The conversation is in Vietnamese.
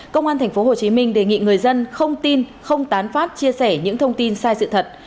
công an tp hcm đề nghị người dân không tin không tán phát chia sẻ những thông tin sai sự thật